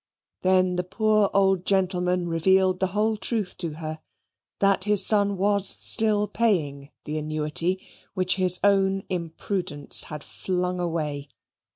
Then the poor old gentleman revealed the whole truth to her that his son was still paying the annuity, which his own imprudence had flung away.